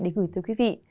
để gửi tới quý vị